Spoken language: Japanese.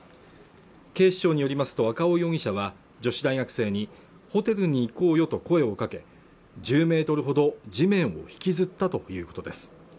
警視庁によりますと赤尾容疑者は女子大学生にホテルに行こうよと声を掛け１０ｍほど地面を引きずったということです